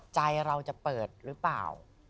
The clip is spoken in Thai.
ใจเราจะเปิดหรือเปล่า